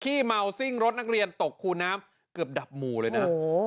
เมาซิ่งรถนักเรียนตกคูน้ำเกือบดับหมู่เลยนะ